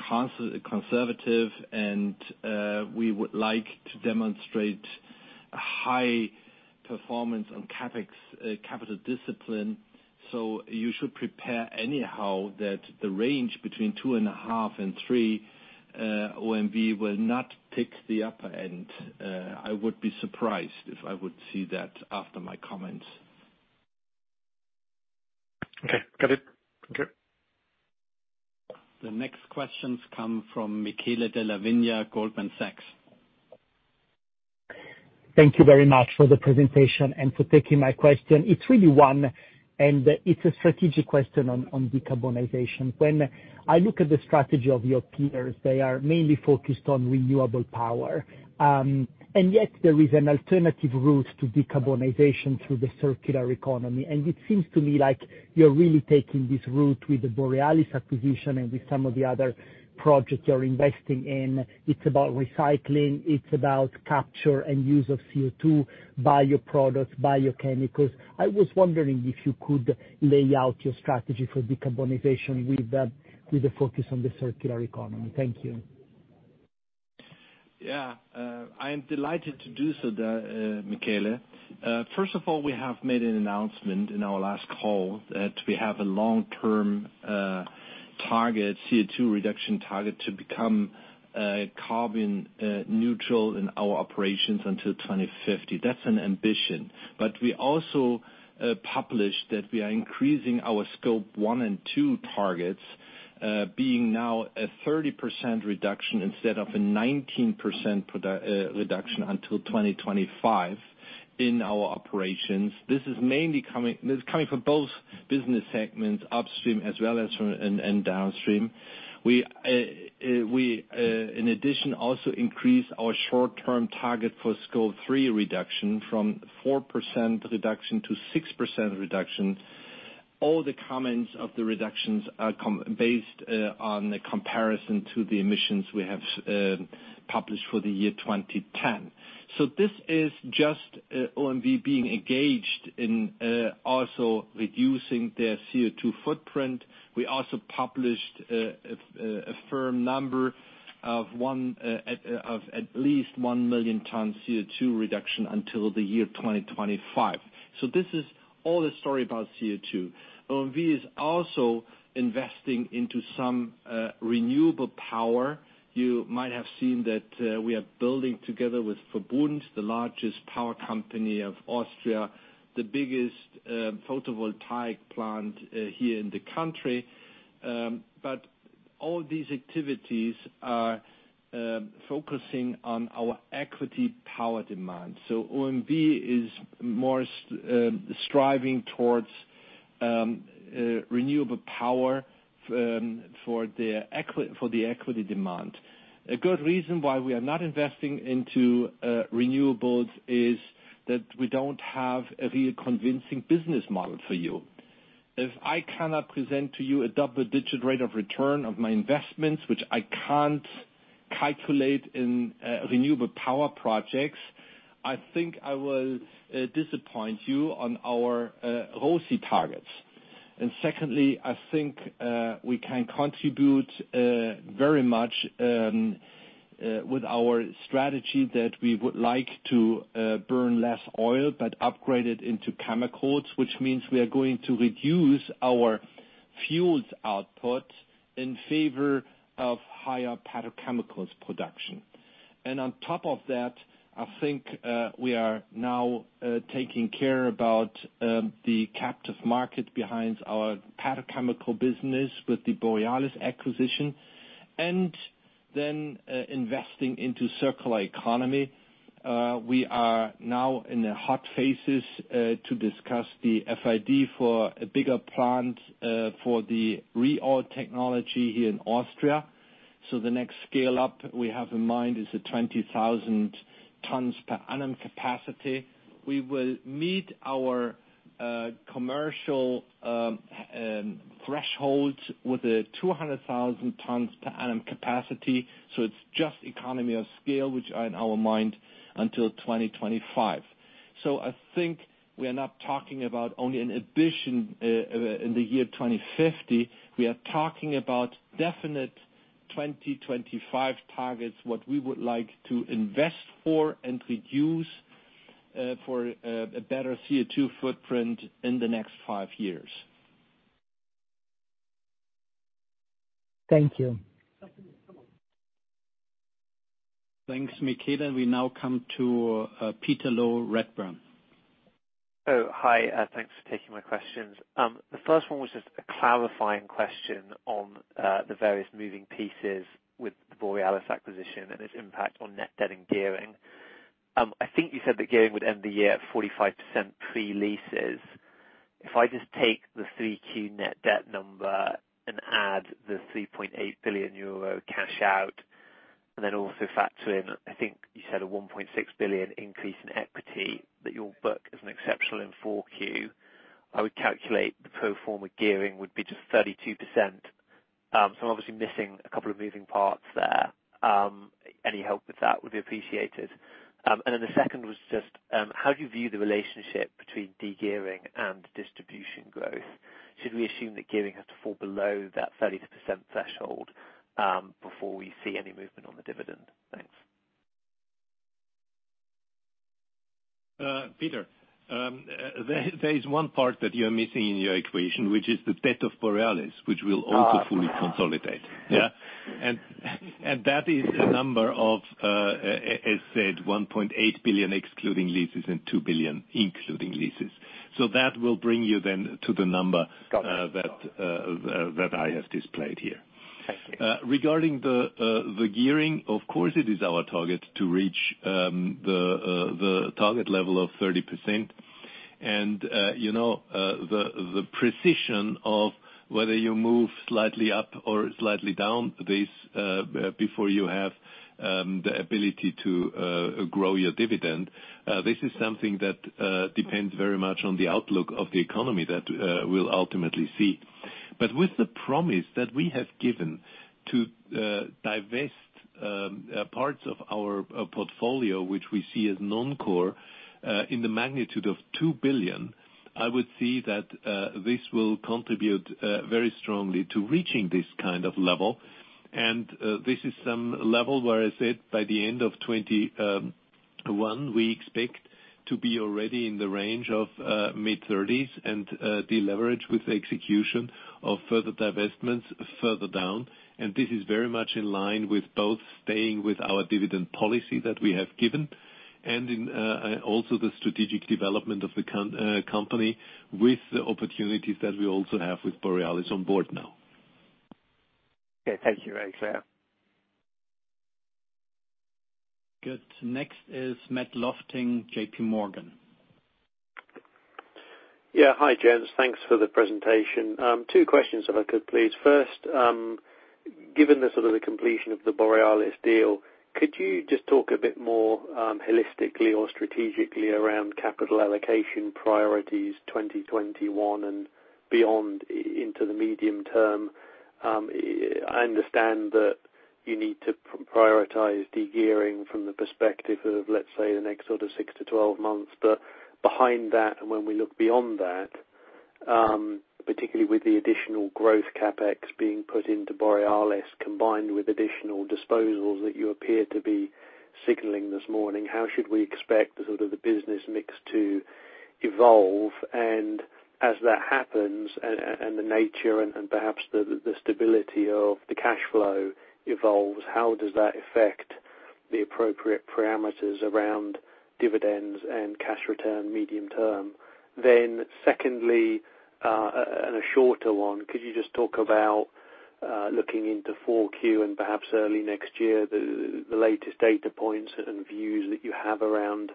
conservative, and we would like to demonstrate a high performance on CapEx capital discipline. You should prepare anyhow that the range between 2.5 and 3, OMV will not pick the upper end. I would be surprised if I would see that after my comments. Okay, got it. Okay. The next questions come from Michele Della Vigna, Goldman Sachs. Thank you very much for the presentation and for taking my question. It's really one, and it's a strategic question on decarbonization. When I look at the strategy of your peers, they are mainly focused on renewable power. Yet there is an alternative route to decarbonization through the circular economy. It seems to me like you're really taking this route with the Borealis acquisition and with some of the other projects you're investing in. It's about recycling, it's about capture and use of CO2, bioproducts, biochemicals. I was wondering if you could lay out your strategy for decarbonization with the focus on the circular economy. Thank you. I am delighted to do so, Michele. First of all, we have made an announcement in our last call that we have a long-term target, CO2 reduction target, to become carbon neutral in our operations until 2050. That's an ambition. We also published that we are increasing our Scope 1 and 2 targets, being now a 30% reduction instead of a 19% reduction until 2025 in our operations. This is coming from both business segments, upstream as well as from downstream. We, in addition, also increase our short-term target for Scope 3 reduction from 4% reduction to 6% reduction. All the comments of the reductions are based on a comparison to the emissions we have published for the year 2010. This is just OMV being engaged in also reducing their CO2 footprint. We also published a firm number of at least 1 million tons CO2 reduction until the year 2025. This is all the story about CO2. OMV is also investing into some renewable power. You might have seen that we are building together with VERBUND, the largest power company of Austria, the biggest photovoltaic plant here in the country. All these activities are focusing on our equity power demand. OMV is more striving towards renewable power for the equity demand. A good reason why we are not investing into renewables is that we don't have a real convincing business model for you. If I cannot present to you a double-digit rate of return of my investments, which I can't calculate in renewable power projects, I think I will disappoint you on our ROCE targets. Secondly, I think we can contribute very much with our strategy that we would like to burn less oil but upgrade it into chemicals, which means we are going to reduce our fuels output in favor of higher petrochemicals production. On top of that, I think we are now taking care about the captive market behind our petrochemical business with the Borealis acquisition. Investing into circular economy. We are now in the hot phases to discuss the FID for a bigger plant for the ReOil technology here in Austria. The next scale-up we have in mind is a 20,000 tons per annum capacity. We will meet our commercial thresholds with a 200,000 tons per annum capacity. It's just economy of scale, which are in our mind until 2025. I think we are not talking about only an addition in the year 2050. We are talking about definite 2025 targets, what we would like to invest for and reduce for a better CO2 footprint in the next five years. Thank you. Thanks, Michele. We now come to Peter Low, Redburn. Oh, hi. Thanks for taking my questions. The first one was just a clarifying question on the various moving pieces with the Borealis acquisition and its impact on net debt and gearing. I think you said that gearing would end the year at 45% pre-leases. If I just take the three key net debt number and add the 3.8 billion euro cash out, then also factor in, I think you said a 1.6 billion increase in equity that you'll book as an exceptional in four Q, I would calculate the pro forma gearing would be just 32%. I'm obviously missing a couple of moving parts there. Any help with that would be appreciated. The second was just, how do you view the relationship between de-gearing and distribution growth? Should we assume that gearing has to fall below that 30% threshold before we see any movement on the dividend? Thanks. Peter, there is one part that you are missing in your equation, which is the debt of Borealis, which we will also fully consolidate. Yeah. That is a number of, as said, 1.8 billion excluding leases and 2 billion including leases. That will bring you to the number. Got it. that I have displayed here. Thank you. Regarding the gearing, of course, it is our target to reach the target level of 30%. The precision of whether you move slightly up or slightly down before you have the ability to grow your dividend, this is something that depends very much on the outlook of the economy that we'll ultimately see. With the promise that we have given to divest parts of our portfolio, which we see as non-core, in the magnitude of 2 billion, I would see that this will contribute very strongly to reaching this kind of level. This is some level where, as said, by the end of 2021, we expect to be already in the range of mid-30s and de-leverage with the execution of further divestments further down. This is very much in line with both staying with our dividend policy that we have given, and in also the strategic development of the company with the opportunities that we also have with Borealis on board now. Okay. Thank you. Very clear. Good. Next is Matt Lofting, J.P. Morgan. Yeah. Hi, gents. Thanks for the presentation. Two questions if I could, please. First, given the sort of the completion of the Borealis deal, could you just talk a bit more holistically or strategically around capital allocation priorities 2021 and beyond into the medium term? I understand that you need to prioritize de-gearing from the perspective of, let's say, the next sort of 6-12 months. Behind that, and when we look beyond that, particularly with the additional growth CapEx being put into Borealis combined with additional disposals that you appear to be signaling this morning, how should we expect the sort of the business mix to evolve? As that happens and the nature and perhaps the stability of the cash flow evolves, how does that affect the appropriate parameters around dividends and cash return medium term? Secondly, a shorter one, could you just talk about, looking into four Q and perhaps early next year, the latest data points and views that you have around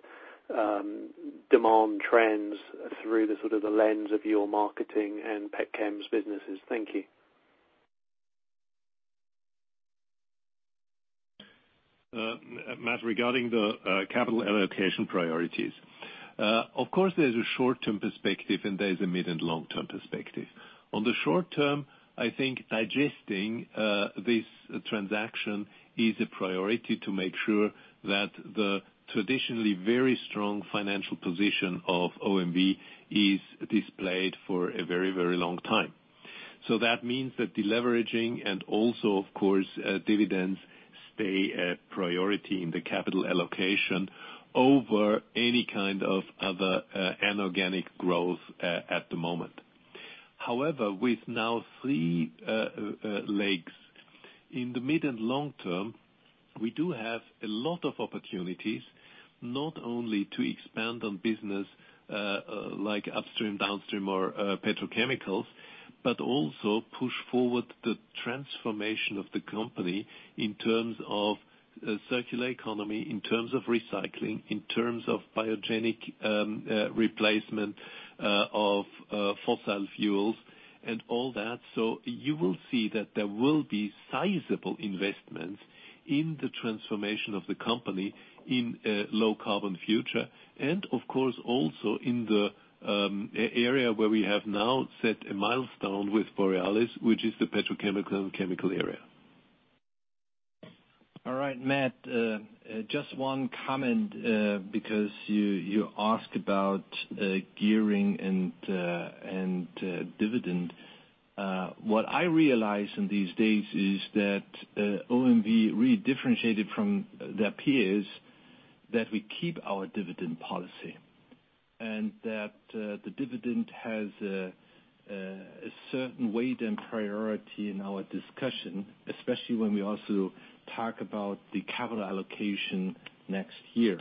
demand trends through the sort of the lens of your marketing and petchems businesses? Thank you. Matt, regarding the capital allocation priorities. Of course, there's a short-term perspective and there is a mid and long-term perspective. On the short term, I think digesting this transaction is a priority to make sure that the traditionally very strong financial position of OMV is displayed for a very, very long time. That means that de-leveraging and also, of course, dividends stay a priority in the capital allocation over any kind of other inorganic growth at the moment. However, with now three legs in the mid and long term. We do have a lot of opportunities, not only to expand on business like upstream, downstream, or petrochemicals, but also push forward the transformation of the company in terms of circular economy, in terms of recycling, in terms of biogenic replacement of fossil fuels and all that. You will see that there will be sizable investments in the transformation of the company in a low-carbon future. Of course, also in the area where we have now set a milestone with Borealis, which is the petrochemical and chemical area. Matt, just one comment, because you asked about gearing and dividend. What I realize in these days is that OMV really differentiated from their peers, that we keep our dividend policy, and that the dividend has a certain weight and priority in our discussion, especially when we also talk about the capital allocation next year.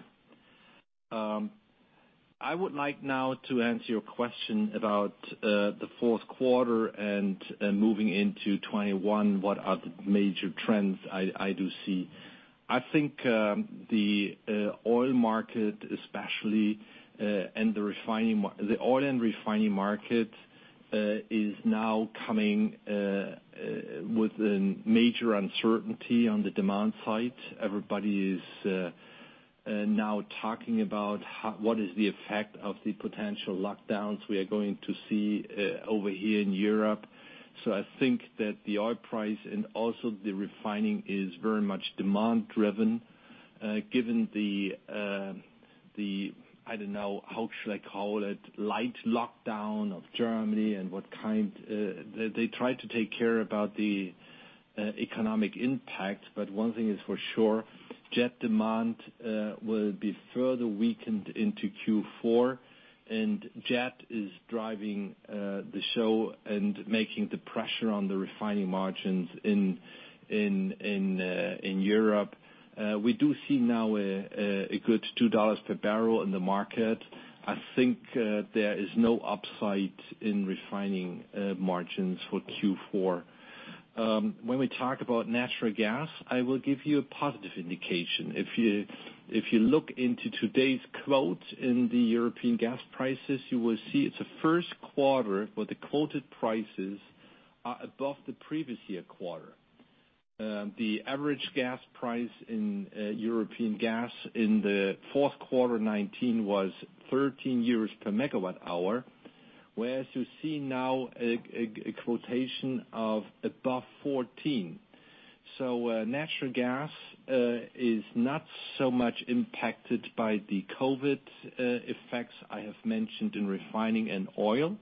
I would like now to answer your question about the fourth quarter and moving into 2021, what are the major trends I do see? I think the oil and refining market is now coming with a major uncertainty on the demand side. Everybody is now talking about what is the effect of the potential lockdowns we are going to see over here in Europe. I think that the oil price and also the refining is very much demand-driven, given the, how shall I call it, light lockdown of Germany. They tried to take care about the economic impact. One thing is for sure, jet demand will be further weakened into Q4, and jet is driving the show and making the pressure on the refining margins in Europe. We do see now a good EUR 2 per barrel in the market. I think there is no upside in refining margins for Q4. When we talk about natural gas, I will give you a positive indication. If you look into today's quotes in the European gas prices, you will see it's the first quarter where the quoted prices are above the previous year quarter. The average gas price in European gas in the fourth quarter 2019 was 13 euros per megawatt hour, whereas you see now a quotation of above 14. Natural gas is not so much impacted by the COVID-19 effects I have mentioned in refining and oil.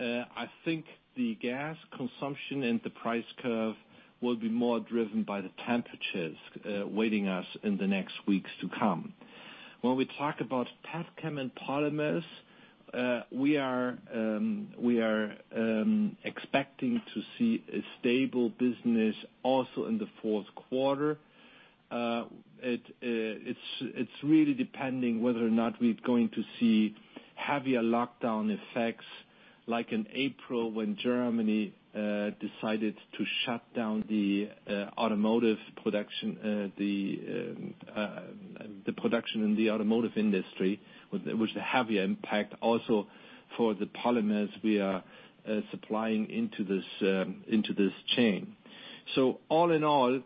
I think the gas consumption and the price curve will be more driven by the temperatures awaiting us in the next weeks to come. When we talk about petchem and polymers, we are expecting to see a stable business also in the fourth quarter. It's really depending whether or not we're going to see heavier lockdown effects like in April when Germany decided to shut down the production in the automotive industry, which have impact also for the polymers we are supplying into this chain. All in all,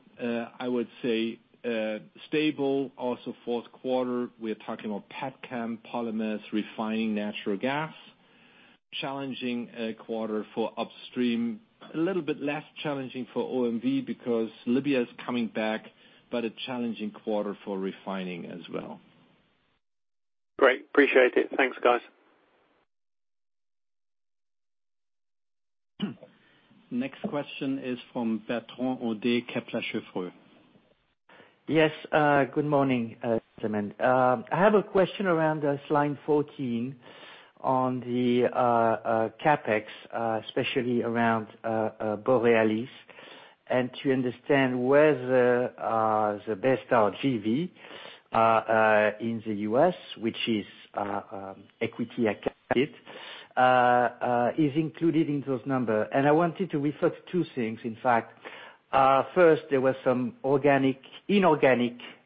I would say stable also fourth quarter. We're talking about petchem, polymers, refining natural gas. Challenging quarter for upstream, a little bit less challenging for OMV because Libya is coming back, but a challenging quarter for refining as well. Great. Appreciate it. Thanks, guys. Next question is from Bertrand Hodee, Kepler Cheuvreux. Yes, good morning, gentlemen. I have a question around slide 14 on the CapEx, especially around Borealis, and to understand where the Baystar JV in the U.S., which is equity is included in those number. I wanted to refer to two things, in fact. First, there was some inorganic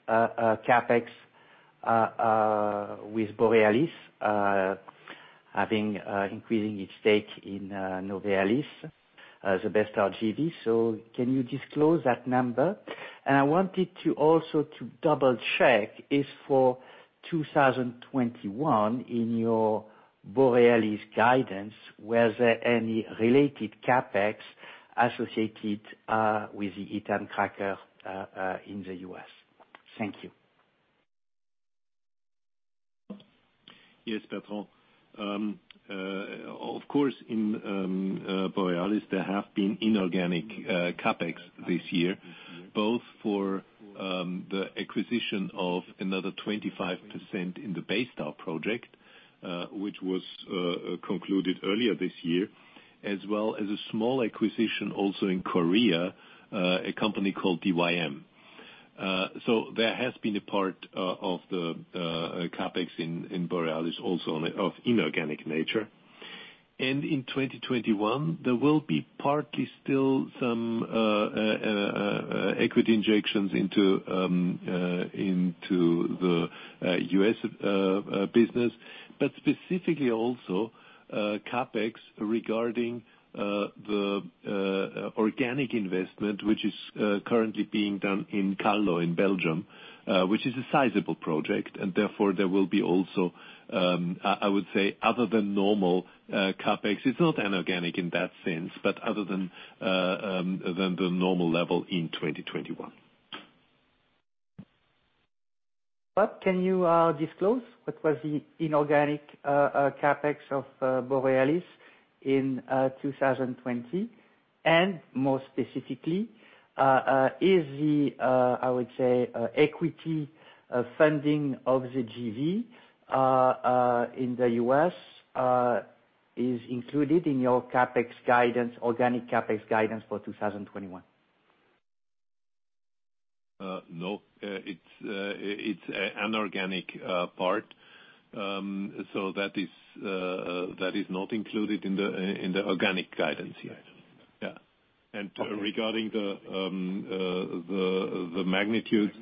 CapEx with Borealis, having increasing its stake in Novealis, the Baystar JV. Can you disclose that number? I wanted to also to double-check is for 2021 in your Borealis guidance, was there any related CapEx associated with the ethane cracker in the U.S.? Thank you. Yes, Bertrand Hodee. Of course, in Borealis, there have been inorganic CapEx this year, both for the acquisition of another 25% in the Baystar project, which was concluded earlier this year. As well as a small acquisition also in Korea, a company called DYM. There has been a part of the CapEx in Borealis also of inorganic nature. In 2021, there will be partly still some equity injections into the U.S. business, but specifically also CapEx regarding the organic investment, which is currently being done in Kallo in Belgium, which is a sizable project. Therefore, there will be also, I would say other than normal CapEx. It's not inorganic in that sense, but other than the normal level in 2021. Can you disclose what was the inorganic CapEx of Borealis in 2020? More specifically, is the, I would say, equity funding of the JV in the U.S. included in your organic CapEx guidance for 2021? No. It's an inorganic part, so that is not included in the organic guidance here. Yeah. Okay. Regarding the magnitude,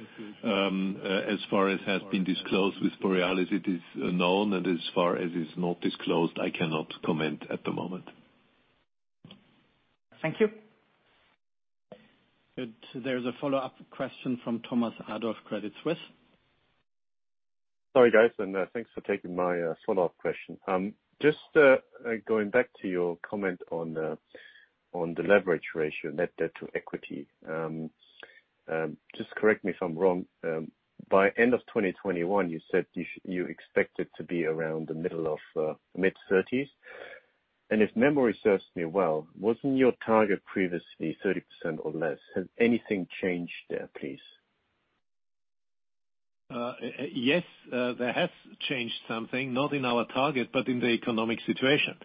as far as has been disclosed with Borealis, it is known, and as far as is not disclosed, I cannot comment at the moment. Thank you. Good. There's a follow-up question from Thomas Adolff, Credit Suisse. Sorry, guys, thanks for taking my follow-up question. Just going back to your comment on the leverage ratio, net debt to equity. Just correct me if I'm wrong. By end of 2021, you said you expect it to be around the middle of mid-thirties. If memory serves me well, wasn't your target previously 30% or less? Has anything changed there, please? Yes, there has changed something, not in our target, but in the economic situation.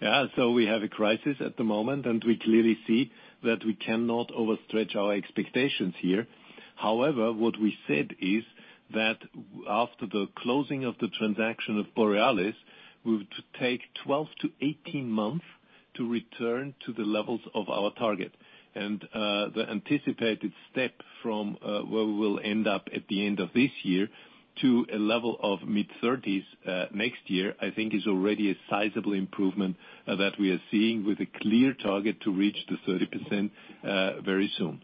Yeah. We have a crisis at the moment, and we clearly see that we cannot overstretch our expectations here. However, what we said is that after the closing of the transaction of Borealis, we would take 12-18 months to return to the levels of our target. The anticipated step from where we will end up at the end of this year to a level of mid-thirties next year, I think is already a sizable improvement that we are seeing with a clear target to reach the 30% very soon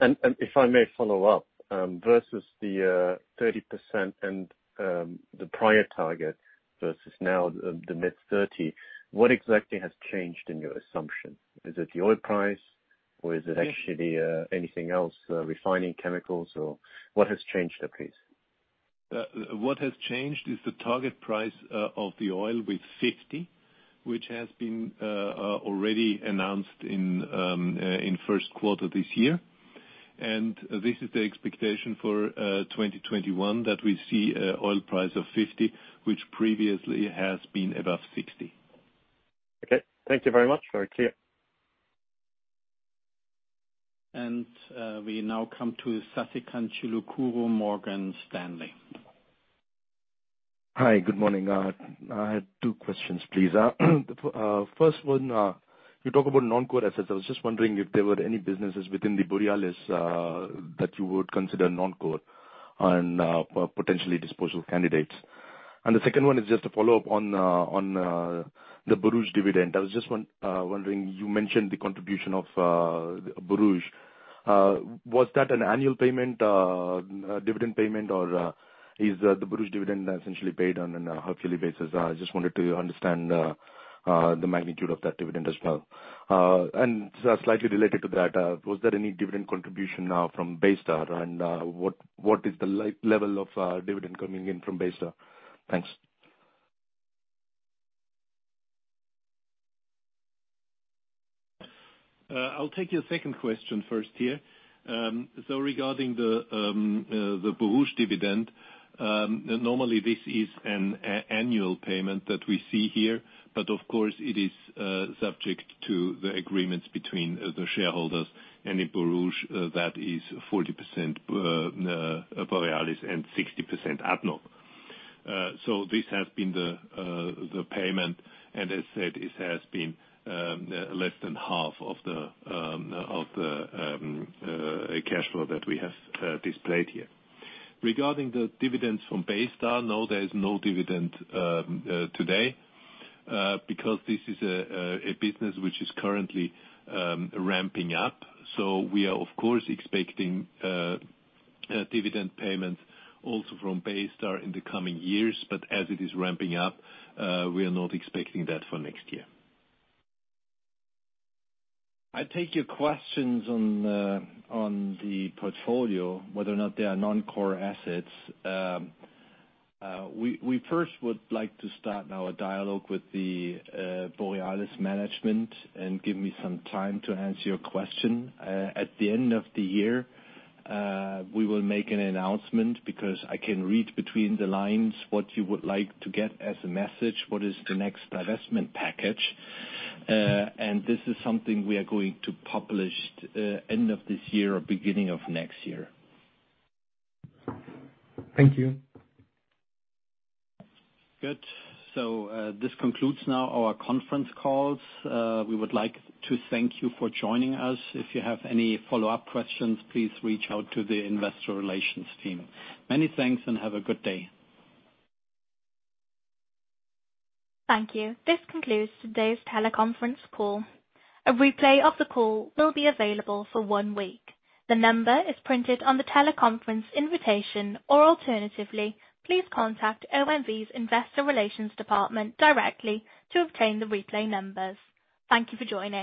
If I may follow up, versus the 30% and the prior target versus now the mid-30, what exactly has changed in your assumption? Is it the oil price or is it actually anything else, refining chemicals, or what has changed there, please? What has changed is the target price of the oil of 50, which has been already announced in first quarter this year. This is the expectation for 2021 that we see oil price of 50, which previously has been above 60. Okay. Thank you very much. Very clear. We now come to Sasikanth Chilukuru, Morgan Stanley. Hi. Good morning. I had two questions, please. First one, you talk about non-core assets. I was just wondering if there were any businesses within the Borealis that you would consider non-core and potentially disposal candidates. The second one is just a follow-up on the Borouge dividend. I was just wondering, you mentioned the contribution of Borouge. Was that an annual payment, dividend payment, or is the Borouge dividend essentially paid on a half-yearly basis? I just wanted to understand the magnitude of that dividend as well. Slightly related to that, was there any dividend contribution now from Baystar, and what is the level of dividend coming in from Baystar? Thanks. I'll take your second question first here. Regarding the Borouge dividend, normally this is an annual payment that we see here, but of course it is subject to the agreements between the shareholders, and in Borouge, that is 40% Borealis and 60% ADNOC. This has been the payment, and as said, it has been less than half of the cash flow that we have displayed here. Regarding the dividends from Baystar, no, there is no dividend today because this is a business which is currently ramping up. We are, of course, expecting dividend payments also from Baystar in the coming years, but as it is ramping up, we are not expecting that for next year. I take your questions on the portfolio, whether or not they are non-core assets. We first would like to start our dialogue with the Borealis management and give me some time to answer your question. At the end of the year, we will make an announcement because I can read between the lines what you would like to get as a message, what is the next divestment package. This is something we are going to publish end of this year or beginning of next year. Thank you. Good. This concludes now our conference call. We would like to thank you for joining us. If you have any follow-up questions, please reach out to the investor relations team. Many thanks and have a good day. Thank you. This concludes today's teleconference call. A replay of the call will be available for one week. The number is printed on the teleconference invitation, or alternatively, please contact OMV's Investor Relations Department directly to obtain the replay numbers. Thank you for joining.